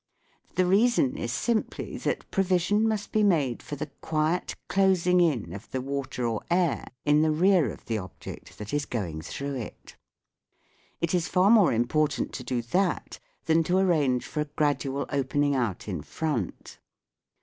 The reason is simply that provi sion must be made for the quiet closing in of the water or air in the rear of the object that is going through it. It is far more important to do that than to arrange for a gradual opening out in front.